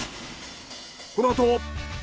このあと。